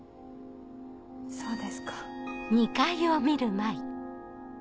そうですか。